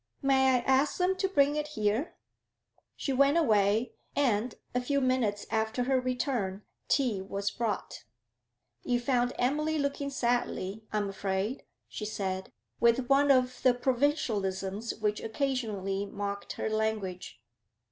May I ask them to bring it here?' She went away, and, a few minutes after her return, tea was brought. 'You found Emily looking sadly, I'm afraid?' she said, with one of the provincialisms which occasionally marked her language.